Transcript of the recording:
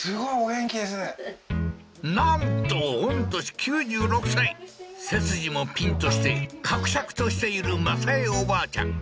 なんと御年背筋もピンとしてかくしゃくとしている政恵おばあちゃん